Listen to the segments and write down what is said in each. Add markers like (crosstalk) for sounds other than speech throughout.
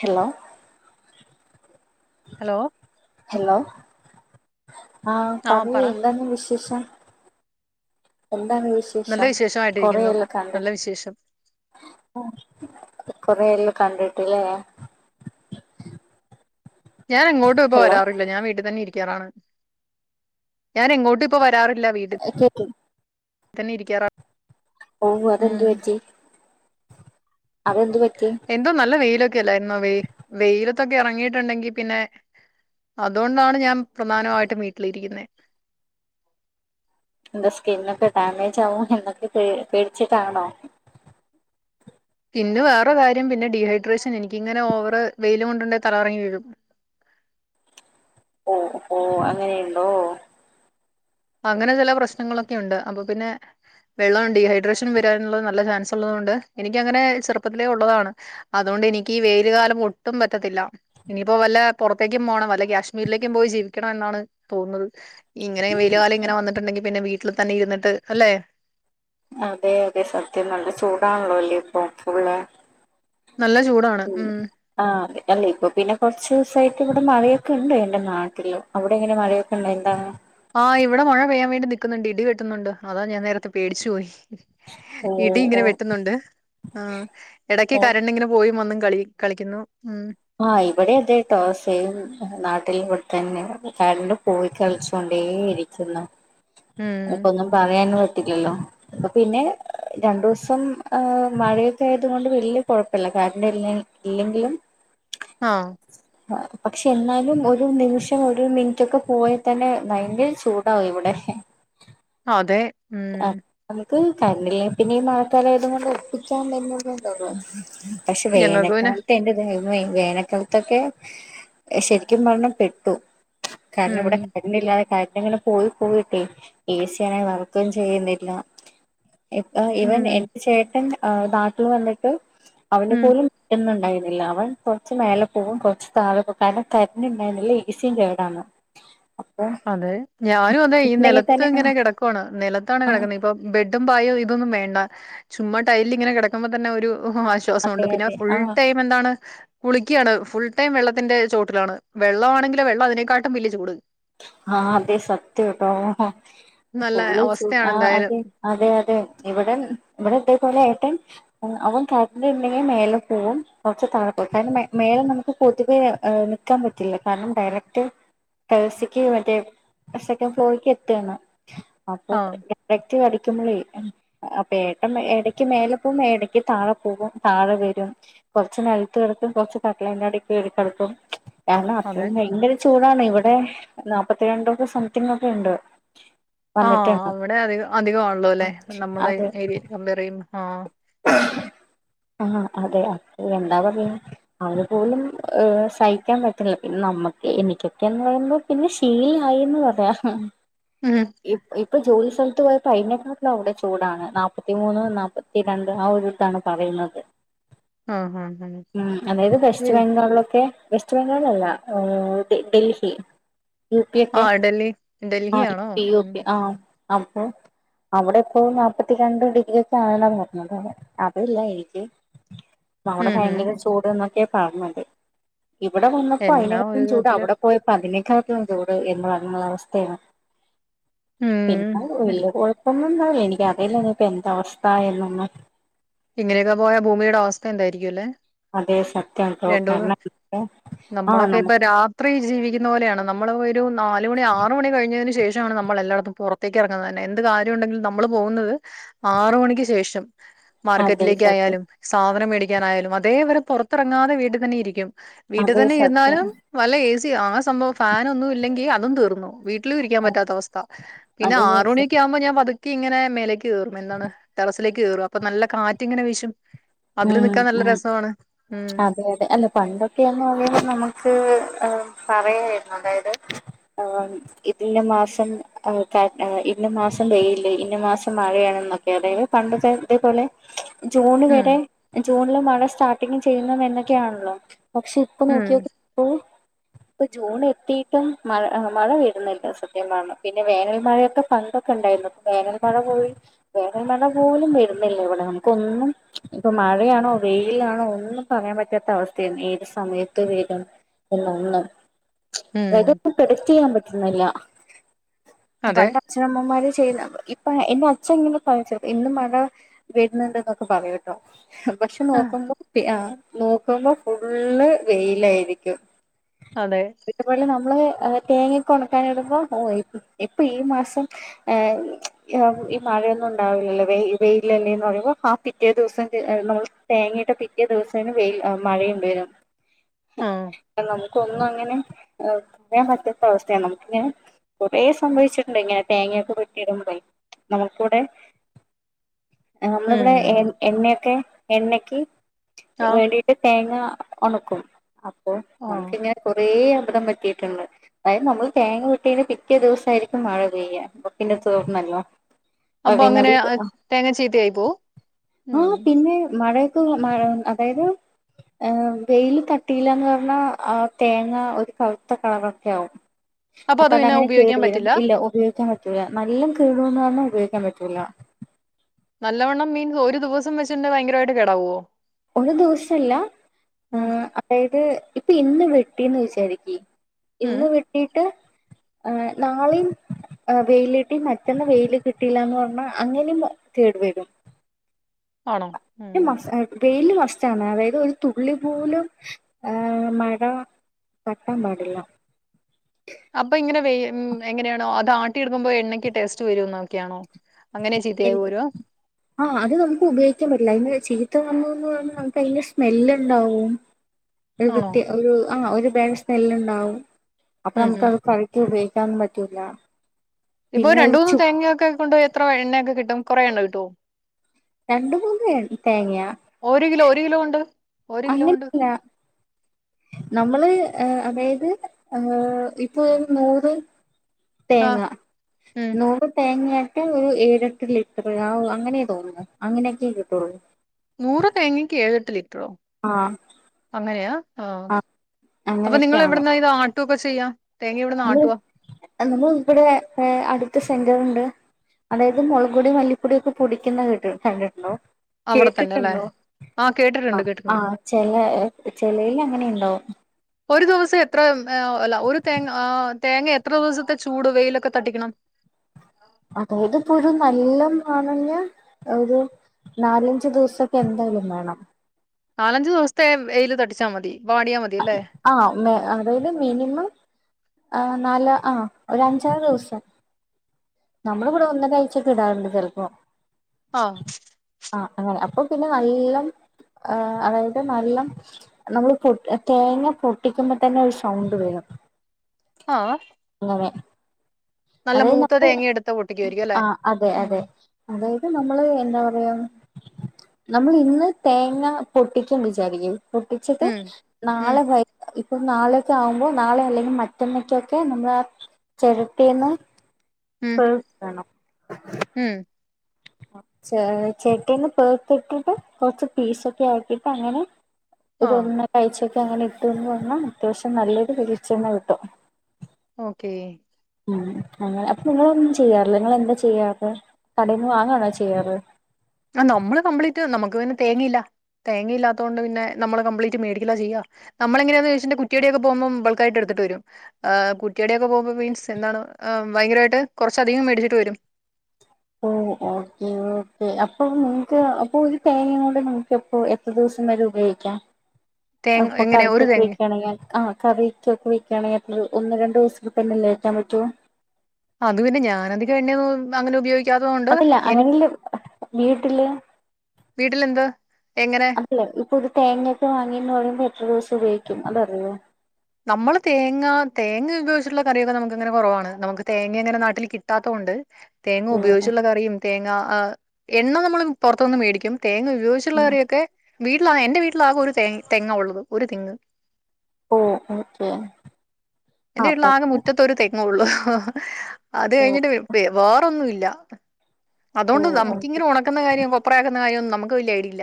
Hello- hello hello ആഹ ആഹ് പറയൂ പറ എന്താണ് വിശേഷം എ നല്ല വിശേഷം വിശേഷമായിട്ടിരിക്കുന്നു കൊറെല്ലാം കണ്ടിട്ട് നല്ല വിശേഷം കുറെയല്ലാം കണ്ടിട്ടില്ലേ ഞാൻ എങ്ങോട്ടും ഇപ്പ ഹലോ വരാറില്ല ഞാൻ വീട്ടിൽ തന്നെ ഇരിക്കാറാണ് ഞാൻ എങ്ങോട്ടും ഇപ്പ വ- വാറില്ല വീട് കേക്ക് തന്നെ ഇരിക്കാറാ- ഓ അതെന്ത് പറ്റി അതെന്ത് പറ്റി എന്തോ നല്ല വെയിലൊക്കെ ല്ലായിരുന്നോ വെ വെയിലത്തൊക്കെ ഇറങ്ങിയിട്ടുണ്ടെങ്കി പിന്നെ അതുകൊണ്ടാണ് ഞാൻ പ്രധാനമായിട്ടും വീട്ടിലിരിക്കുന്നത് (inaudible) ന്റെ സ്കിന്നൊക്കെ ഡാമേജാകും എന്നൊക്കെ പേടിച്ചിട്ടാണോ പിന്നെ വേറെ കാര്യം പിന്നെ ഡിഹൈഡ്രേഷൻ എനിക്കിങ്ങനെ ഓവറ് വെയില കൊണ്ടുണ്ട തലറങ്ങി വരും ഓ ഓ അങ്ങനെയുണ്ടോ അങ്ങന ചില പ്രശ്നങ്ങളൊക്കെ ഇണ്ട് അപ്പൊ പിന്നെ വെള്ളം ഡീഹൈഡ്രേഷൻ വരാനുള്ള നല്ല ചാൻസ് ഉള്ളതുകൊണ്ട് എനക്ക്ങ്ങനെ ചെറുപ്പത്തിലേ ഉള്ളതാണ് അതുകൊണ്ട് എനി വെയിലു കാരണം ഒട്ടും പറ്റത്തില്ല ഇനിയിപ്പോ വല്ല പുറത്തേക്കും പോകണം വല്ല കാശ്മീരിലേക്കും പോയി ജീവിക്കണം എന്നാണ് തോന്നുന്നത് ഇങ്ങനെ വെലിയ കാലം ഇങ്ങനെ വന്നിട്ടുണ്ടെങ്കി പിന്നെ വീട്ടിൽ തന്നെ ഇരിട്ട് അല്ലെ അതെ അതെ സത്യം നല്ല ചൂടാണല്ലോല്ലേ ഇപ്പൊ ഫുള്ള നല്ല ചൂടാണ് ഉ ഉം ആ അത അല്ലേ ഇപ്പൊ പിന്നെ കൊറച്ച് ദിവസ ഇവിടെ മഴയൊക്കെ ഉണ്ട് എൻന്റെ നാട്ടില് അവിടെ എങ്ങനെ മഴയൊക്കെണ്ടണ്ട് എന്താാണ് ആഹ് ഇവിടെ മഴ പെയ്യാൻ വേണ്ടി നിിക്കുന്നുണ്ട് ഇടി കെട്ടുന്നുണ്ട് അതാ ഞാൻ നേരത്തെ പേടിച്ചു പോോയി ഓ ഇടി ഓ ഇങ്ങനെ വെട്ടുന്നുണ്ട് ആ് ഇടക്ക് ഓ കരണ്ട് ഇങ്ങനെ പോയി വന്ന് കളി കളിക്കുന്നു ഉം ആഹ് ഇവിടെ അതെട്ടോ സെയിം നാട് വട്ടിൽ ഇവിടെത്തന്നെ കാടിന്റെ പോയി കളിച്ച കൊണ്ടേേ ഇരിക്കുന്നു ഉം അനക്കൊന്നും പറയാൻ ോ അ പിന്നെ രണ്ടു ദിവസം് മഴയൊക്കെ ആയത കൊൊണ്ട് വലിയ കുഴപ്പില്ല കാരണ്ട് ഇല്ല ഇല്ലെങ്കിലും ആങ്‌ ആ പക്ഷെ എന്നാലും ഒരു നിമിഷം ഒരു മിനിറ്റ് ഒക്കെ പോയിൽ തന്നെ എങ്കിൽ ചൂടാവും ഇവിടെ ഏഹ് അതെ ഉം കണിൽ പിന്നെ ഈ മാത്താലായത കൊണ്ട് ഒപ്പിക്കാ വുന്നണ്ടള്ള പക്ഷെ ഞങ്ങൾക്ക് പിന്നെ വേനൽക്കാലത്ത് എന്റെത വേനക്കാൽത്തൊക്കെ ശരിക്കും പറഞ്ഞാൽ പെട്ടു- കാരണം ഉം ഇവിടെ കരണ്ട് ഇല്ലാതെ കരണ്ട് ഇങ്ങനെ പോയി പോയിട്ടെ എഏ സിയ ആണ ും ചെയ്യുന്നില്ല ഇവൻ ഉം എന്റെ ചേട്ടൻ നാട്ടിൽ വന്നിട്ട് അവനെ ഉം പോലുംണ്ടായിരുന്നു അവൻ കൊറച്ച് മേെ പോകും കുറച്ച് താഴെ പോും കാരണം തരുണ്ടായിുന്നില്ല ഈസിയും ചേടാണ് അ അതെ ഞാനും അതെ ഈ നിലത്ത് തന്നെ ഇങ്ങനെ ആഹ് കിടക്കുവാണ് നിലത്താണ് ആഹ് കിടക്കുന്നത് ഇപ്പൊ ബെഡും പായും ഇതൊന്നും വേണ്ട ചുമ്ട്ട ൈൽ ഇങ്ങനെ കിടക്കുമ്പോ തന്നെ ഒരു ഓഹ ആശ്വാസംുണ്ട് അതെ പിന്നെ അതെ ഫുൾ ആഹ് ടൈം എന്താണ് കുളിക്കുകയാണ് ഫുൾ ടൈം വെള്ളത്തി ത്തിന്റെ ചോട്ടിലാണ് വെള്ളമാണെങ്കിൽ വെള്ളം അതിനെക്കാട്ടും വെല്ല്യ ചൂട്- ആഹ അതെ സത്യം ട്ടോഓ നല്ല അവസ്ഥയാണ് ആ എന്തായാലും അതെ അതെ അതെ ഇവിട ഇവിടെ അലൊയിട്ട കയട്ടുണ്ടെങ്കിൽ മേലെ പോവുംും കുറച്ച് തഴും കാരണം മേലെ നമുക്ക് പൊതുവെ് നൽിക്കാൻ പറ്റില്ല കാരണം ഡയറക്റ്റ് കേഴസിക്ക് മറ്റേ സെക്കൻ് ഫ്ലോറിക്ക് എത്താണ് അപ്പൊ ആഹ് ഡ കരിക്കുമ്പോളേ അപ്പ ഏട്ട ഇടയ്ക്ക് മേലെ പോകുമ്പോ ഇടയ്ക്ക് താഴെ പോകും താഴെ വരും കൊറച്ച് നിലത്ത് കിടക്കും കൊറച്ച് കട്ടലനടൊക്കെ കിടക്കും കാരണം അതെ അത്രയും ഭയങ്കര ചൂടാണ് ഇവിടെ നാല്പ്പത്തിരണ്ടൊക്കെ സംതിങ് ഒക്കെ ഉണ്ട് ആഹ വന്നിട്ടുണ്ട് അവിടെ അികം അധികമാണല്ലോ അല്ലെ നമ്മുടെ അതെ ഏരിയൽ കമ്പയർ ചെയ്യും ആ (unintelligible) ആഹ് അതെ അത് എണ്ടാ അവര് പോലും ഏ സഹിക്കാൻ പറ്റില്ല പിന്നെ നമ്മക്ക് എനിക്കൊക്കെന്ന് പറയുമ്പോ പിന്നെ ശീലായിന്ന് പറയാം ഉം ഇപ്പൊ ജോലി സ്ഥലത്ത് പോയപ്പോ പതിനഞ്ഞെട്ടാട്ടില അവിടെ ചൂടാണ് നാപ്പത്തി മൂന്ന് നാപ്പത്തി ത്തി രണ്ട് ആ ഒരുട്ടാണ് പറയുന്നത് ആഹ് ആഹ് ഉ അതായത് വെസ്റ്റ് ആഹ് ബംഗാളിലൊക്കെ വെസ്റ്റ് ബംഗാൾ അല്ല ഡൽഹി യു പി ഒക്കെ ആഹ് ഡൽഹി ആ യ ഡൽഹിയാണോ യ ഉം പി ആ അപ്പൊ അവിടെപ്പോ നാല്പ്പത്തിരണ്ടും ഡിഗ്രിയ ഒക്കെ ആണണം അത അതല്ല എനിക്ക് അവിടെ ഉം ഉം ഭയങ്കര ചൂട്ന്നൊക്കെ പറഞ്ഞത് ഇവിടെ വന്നപ്പോ എല്ലാം അതിനകത്തും ഒരു ചൂട് വിധത്തില് അവിടെ പോയപ്പോ അതിനേക്കാൾ - ചൂട് എന്ന് പറഞ്ഞ അവസ്ഥയാണ് ഉം പിന്നെ വ കുഴപ്പ ും എനിക്ക് അതൽന്ന ഇപ്പ എന്ത അവസ്ഥ എന്നന്ന് ഇങ്ങനെയൊക്കെ പോയ ഭൂമിയുടെ അവസ്ഥ എന്തായിരിക്കും അല്ലേ അതെ സത്യം ട്ടോ രണ്ടൂന്ന് കാരണം ആ നമ്മളൊക്കെ ഇപ്പൊ നമുക്ക് രാത്രി ജീവിക്ക ഇന്ന പോലെയാണ് നമ്മൾ ഒരു നാലല് മണി ആറ് മണി കഴിഞ്ഞതിനന് ശേഷം നമ്മൾ എല്ലായിടത്തും പുറത്തേക്ക് ഇറങ്ങുന്നത് തന്നെ എന്ത് കാര്യം ഉണ്ടെങ്കിലും നമ്മൾ പോകുന്നത് ആറ മണിക്ക് ശേഷം അതെ മാർക്കറ്റിലേക്ക സത്യം ആയാലും സാധനം മേടിക്കാനായാലും അതേവരെ പുറത്തിറങ്ങാതെ വീട്ടിൽ തന്നെ ഇരിക്കും വീട്ടിൽ അതെ തന്നെ സത്യം ഇരുന്നാലും വല്ല ഏ സി ആ സംഭവം ഫാനൊന്നും ഇല്ലെങ്കി അതും തീർന്നു വീ- ും ഇരിക്കാൻ പറ്റാത്ത അവസ്ഥ പിന്നെ അതെ ആറ മണിയൊക്കെ സത്യം ആകുമ്പോ ഞ പ ഇങ്ങനെ മേലേക്ക് കേറും എന്താണ് ടെറിലേക്ക് കയറും അപ്പൊ നല്ല കാറ്റിങ്ങനെ വീശും അതില് ഉം നിക്കാൻ നല്ല ഉം രസമാണ് ഉം അതെ അതെ അ പണ്ടൊക്കെയാന്ന് പറ നമുക്ക് പറയായിരുന്നു അതായത് ആ ഇതിന്റെ മാസം ഇന്ന മാസം വെയല് ഇന്ന മാസം മഴയാണ് ക്കെ അത പണ്ടത്തെ ഇതേപോലെ ജൂണ് ഉം വരെ ജൂണില് മഴ സ്റ്റാർട്ടിങ്് ചെയ്യുന്ന എന്നൊക്കെയാണല്ലോ പക്ഷെ ഇപ്പ ഉം നോക്കിയോക്ക ഇപ്പൊ ജൂൺ എത്തിട്ടും മഴ മഴ വെരുന്നില്ല സത്യമാണ് പിന്നെ വേനൽ മഴയൊക്കെ പണ്ട് ഇണ്ടായിരുന്നു ഇപ്പ വേനൽമഴ പോല വേനൽമഴ പോലും വെരുന്നില്ല ഇവിടെ നമുക്കൊന്നും ഇപ്പൊ മഴയാണോ വെയിലാണോ ഒന്നും പറയാൻ പറ്റാത്ത അവസ്ഥയാണ് ഏത് സമയത്ത് വെയിലും പി ഒന്നും ഉം അതായത് പ്രഡക്ട് ചെയ്യാൻ പറ്റുന്നില്ല അതെ പണ്ട് അച്ഛനമ്മമാര് ചെയ് ഇപ്പൊ എന്റെ അച്ഛ ഇങ്ങനെ പിച്ചത് ഇന്ന് മഴ വരുന്നുണ്ടെന്നെക്കെ പറയോട്ടോ പക്ഷെ ആഹ് നോക്കുമ്പോ ആ നോക്കുമ്പോ ഫുള്ള് വെയിലായിരിക്കും അതെ ഇപ്പ നമ്മള് തേങ്ങക്കെ ഒണക്കാനിടുമ്പോ ഓ ഇപ്പൊ ഈ മാസം ഈ മഴന്നും ഒണ്ടാവില്ലല്ലൊ വെ വെയില (unintelligible) പിറ്റേ ദിവസം നമ്മൾ തേങ്ങിട്ട പിറ്റേ ദിവസത്തിന് വെ മഴയും വരും ആഹ് നമുക്ക്ന്നും അങ്ങനെ പറയാൻ പറ്റാത്ത അവസ്ഥയാണ് നമുക്ക്ങ്ങെ കുറേ സംഭവിച്ചിട്ടുണ്ട് ഇങ്ങനെ തേങ്ങയൊക്കെ കെട്ടിടുമ്പോയി നമുക്കിവിടെ നമ്മളിവിടെ എ ഉം എണ്ണയൊക്കെ എണ്ണക്ക് ആഹ് വേണ്ടിട്ട് തേങ്ങ ഒണക്കും അപ്പോ ആഹ് നമുക്കിങ്ങനെ കൊറേ അബദ്ധം പറ്റിയിട്ടുണ്ട് അതത് നമ്മള് തേങ്ങ വെട്ടീന്ന് പിറ്റെ ദെവസമായിരിക്കും മഴ പെയ്യുക ബക്കിന്റെ തോർന്നല്ലോ അപ്പൊ അങ്ങനെ തേങ്ങ ചീത്തയയി പോ ആഹ പിന്നെ മഴക്ക് മ അതായത് ഏ വെയില് തട്ടിയില്ലന്ന് പറഞ്ഞാ ആ തേങ്ങ ഒരു പവുത്ത കളറൊക്കെ ആവും അപ്പൊ അത് പിന്നെ അതങ്ങനെ കേടു ഉപയോഗിക്കാൻ വരും പറ്റില്ല ഇല്ല ഉപയോഗിക്കാൻ പറ്റു റ്റൂല. നല്ല കേടന്ന് പറഞ്ഞാൽ ഉപയോഗിക്കാൻ പറ്റൂല നല്ലവണ്ണം മീൻസ് ഒരു ദിവസം വെച്ചിണ്ടെ ഭയങ്കരമായിട്ട് കേടാവുവോ ഒന്നും ദിവസല്ല ഉം അതായത് ഇപ്പൊ ഇന്ന് വെട്ടിന്ന് വിചാരിക്ക് ഉം ഇന്ന് വെട്ടിട്ട് ആഹ നാളെയിം ആ വെയിലിട്ടി മറ്റന്ന് വെയില് കിട്ടില്ലന്ന് പറഞ്ഞാ അങ്ങനെയും ത കേടുവരും ആണോ ഉം വെയില് വസ്റ്റാണ് അതായത് ഒരു തുള്ളി പോലും ആ മഴ പട്ട പാടില്ല ഉം എങ്ങനെയണോ അത് ആട്ടിയെടുക്കുമ്പോ എണ്ണയ്ക്ക് ടേസ്റ്റ് വരും നോക്കെയാണോ എ ആഹ അത് നമുക്ക് ഉപയോഗിക്കാൻ പറ്റില്ല അ (unintelligible) ഇത്ത് വന്നൂന്ന് പറഞ്ഞൽ നമുക്ക്തിന്റെ സ്മെല് ഉണ്ടാവും ഒരു ആണോ വത്യ (unintelligible) ആഹ ഒരുപേഗ സ്നെല്ല ഉണ്ടാവും അപ്പൊ ഉം നമുക്ക് ഉം അത് കഴക്കി ഉപയോഗിക്കാനന്നും പറ്റൂല ഇപ്പൊ പിന്നെ ഒരു രണ്ടൂന്ന് ചു തേങ്ങയൊക്കെ കൊണ്ടോയി എത്ര എണ്ണയൊക്കെ കിട്ടും കുറെേ എണ്ണ കിട്ടുവോ രണ്ട് മൂന്ന് തേങ്ങയാ കിലോണ്ട് അങ്ങനല്ല നമ്മള് അതായത് ഏ ഇപ്പൊ നൂറ് ആഹ് തേങ്ങ ഉം നൂറ് തേങ്ങ റ്റ ഒരു ഏഴെട്ട് ലിറ്റർ ആ അങ്ങനെ തോന്നുന്നു അങ്ങനെയൊക്കെ കിട്ടുള്ളൂ നൂറ് തേങ്ങക്ക് ഏഴെട്ട് (unintelligible) റ്റ്റൊ ആഹ് അങ്ങനെയ ആ ആഹ് അപ്പൊ നിങ്ങളെവിടുന്ന ഇത് ആട്ട ഇപ്പ ചെയ്യാം ന നമ്മൾ ഇവിടെ അടുത്ത സെ ഇണ്ട് അതായത് മുളക് പൊടി മല്ലിപ്പൊടിയ ഒക്കെ പൊടിക്കുന്ന കേട്ടീ കണ്ടിട്ടുണ്ടോ അവിടെ തന്നെ അല്ലേ കേട്ടിട്ടന്നോ ആഹ് ആ കേട്ടിട്ടുണ്ട് ആ കേട്ടിട്ടുണ്ട് ചെല ചിലൽ അങ്ങനെണ്ടാവും ഒരു ദിവസം എത്ര അല്ല ഒരു തേ ആ തേങ്ങ എത്ര ദിവസത്തെ ചൂട് വെയിലൊക്കെ തട്ടിക്കണം അതായത് ഇപ്പോ ഒരു നല്ല ആണഞ്ഞ ഒരു നാലഞ്ചു ദിവസൊക്കെ എന്തായാലും വേണം നാലഞ്ചു ദിവസത്തെ എ വെയില് തടിച്ചാൽ മതി വാടിയാ മതി അല്ലേ ആ അതായത് മിനിമം ആ നാല ആഹ ഒ അഞ്ചാറ് ദിവസം നമ്മള ഇവിടെ ഒന്നഴചക്കെ ഇടാറുണ്ട് ചെിലപ്പോ ആഹ് ആ അങ്ങനെ അപ്പൊ പിന്നെ നല്ലം അതായത് നല്ല നമ്മള് പൊ തേങ്ങ പൊട്ടിക്കുമ്പോൾ തന്നെ ഒരു സൗണ്ട് വേണം ആഹ അത്കഴിഞ്ഞിട്ട് തേങ്ങ എടുത്ത് പൊട്ടിക്കുവായിരിക്കും അല്ലേ ആ അതെ ഉം അതെ അതായത് നമ്മള് എന്താ പറയാ നമ്മൾ ഇന്ന് തേങ്ങ പൊട്ടിക്കാൻ വിചാരിക്കിന് പൊട്ടിച്ചത് ഉം ഉം നാളെ വ ഇപ്പ നാളെയൊക്കെ ആവുമ്പോൾ നാളെ അല്ലെങ്കിൽ മറ്റെണക്കൊക്കെ നമ്മൾ ആ ചിരത്തിീന്ന് ഉം ഉം ച ചേട്ടിന്ന് പേർത്തിട്ടിട്ട് കൊറച്ച് പീസൊക്കെ ആക്കിട്ട് അങ്ങനെ ആഹ് ഇതൊന്ന കാഴ്ചൊക്കെ അങ്ങനെ ഇത്തുന്ന് പറഞ്ഞാ അത്യാവശ്യം നല്ലൊരു വെളിച്ചുണ്ണ കിട്ടും. ഓക്കേ ഉ അങ്ങനെ അപ്പൊ നിങ്ങളൊന്നും ചെയ്യാറില്ല നിങ്ങെന്താ ചെയ്യാത് പ വാങ്ങണോ ചെയ്യാറ് ആ നമ്മള് കംപ്ലീറ്റ് നമുക്ക് ഇങ്ങനെ തേങ്ങയില്ല. തേങ്ങയില്ലാത്തുകൊണ്ട്ന്ന നമ്മ കംലീറ്റ് മേടിക്കില്ല ചെയ്യ നമ്മള എങ്ങെയാന്ന് ചെച്ചിട്ട് കുറ്റടൊക്കെ പോുമ്പോൾ ബൾക്കായിട്ട് എടുത്ത് കുട്ടിയടടിൊക്കെ പോകുമ്പ മിൻസ് എന്താണ് ഭയങ്കരമായിട്ട് കുറച്ചധികം മേടിച്ചിട്ട് വരും ഓ ഓക്കെ ഓക്കെ അപ്പൊ നിങ്ങക്ക് അപ്പൊ ഈ തേങ്ങൂടെ നമക്ക്പ്പോ എത്ര ദിവസം. പയോഗ തേങ്ങ എങ്ങനെ ഒരു തേങ്ങ കക്കെണെങ്ക (unintelligible) ആെ ണെങ്ക ഒന്ന് രണ്ടു ദിവസത്തി തന്നെല്ലേക്കാൻ പറ്റുവൊ അത് പിന്നെ ഞാനധികം എണ്ണ അങ്ങനെ ഉപയോഗിക്ക അതല്ല അങ്ങനെല് വീട്ടില് വീട്ടിലെന്ത് എങ്ങനെ അല്ല ഇപ്പൊ ഇ തേങ്ങൊക്കെ വാങ്ങി ന്ന പറയുമ്പോ എത്ര ദിവസം ഉപയോഗിക്കും അതറിയോ? നമ്മള് തേങ്ങ തേങ്ങ ഉപയോഗിച്ചട്ടുള്ള കറിയൊക്കെ നമുക്ക്ങ്ങനെ കുറവാണ് നമുക്ക് തേങ്ങ അങ്ങനെ നാട്ടിൽ കിട്ടാതൊ ണ്ട് തേങ്ങ ഓ ഉപയോഗിച്ചുള്ള കറിയും തേങ്ങ എണ്ണ നമ്മൾ പുറത്തനിന്ന് മേടിക്കും. തേങ്ങ ഉപയോഗിച്ചുള്ള കറിയൊക്കെ വീട്ടിലാ എൻറെ വീട്ടിലാകും ഒരു തെ തെങ്ങ ഉള്ളത് ഒരു തെങ്ങ്. ഓ ഓക്കേ. എന്റെ വീട്ടിൽ ആകെ മുറ്റത്തോരു തെങ്ങള്ളു അത് ഓ കഴിഞ്ഞിട്ട് വേറൊന്നും ഇല്ല ഓ അതുകൊണ്ട് ഓക്കെ നമുക്കിങ്ങനെ ഉണക്കുന്ന കാര്യം കൊപ്പ്ര ആക്കുന്ന കാര്യം നമുക്ക് വല്യായിടില്ല.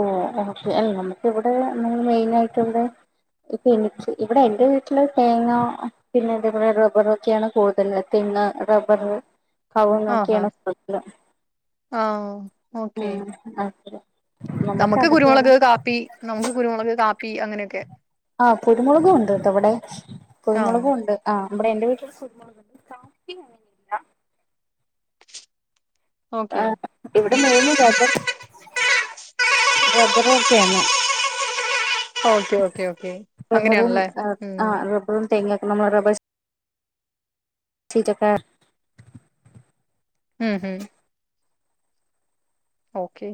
ഓ ഓക്കെ നമുക്ക് ഇവിടെ ന മെയിനാ യിട്ട് ഇവിടെ ഇപ്പ എനിക്ക് ഇവിടെ എന്റെ വീട്ടില് തേങ്ങോ പിന്നെ അതേപൊല റബറോക്കെയാണ് കൂടുതല് തേ പി റബ്ബർ കൗങ്ങ് ആഹാ നോക്കണെട് ആ ഓക്കെ ഉം അയ് ശരി - നമുക്ക് കുരുമുളക്, കാപ്പി, നമുക്ക് കുരുമുളക്, കാപ്പി അങ്ങനെയൊക്കെ. ആഹ് കുരുമുളകും ഉണ്ട്ട്ടൊവിടെ. ആ കുരുമുളകും ഉണ്ട് ആഹ്. നമ്മുടെ എന്റെ വീട്ടിൽ ഫുട്ബോൾണ്ട് കാഫി അങ്ങനെയില്ല. ഓക്കെ ആ എവിടെ മെയിന ഇതപ്പം റബ്ബറ ക്കെയാണ്. ഓക്കെ ഓക്കെ ഓക്കെ റബ്ബറും അങ്ങനെയാണല്ലേ ഉം ആ് റബ്ബറും തേങ്ങ ഒ മ്മള അ ചക്കർ (unintelligible) ഹും ഹും ഓക്കേ.